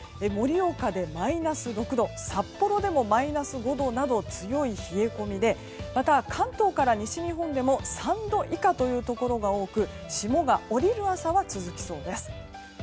盛岡でマイナス６度札幌でもマイナス５度など強い冷え込みでまた関東から西日本でも３度以下というところが多く霜が降りる朝が続きそうです。